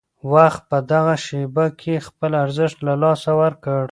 وخت په دغه شېبه کې خپل ارزښت له لاسه ورکړ.